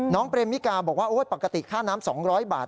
น้องเปรมมิกาบอกว่าปกติค่าน้ำ๒๐๐บาท